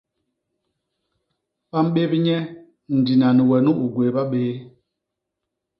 Ba mbép nye ndina ni we nu u gwééba bé.